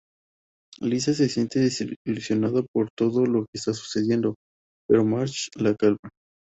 Lisa se siente desilusionada por todo lo que está sucediendo, pero Marge la calma.